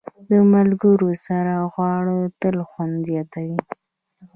د ملګرو سره خواړه تل خوند زیاتوي.